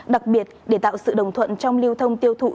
đặc biệt để tạo sự đồng thuận trong lưu thông tiêu thụ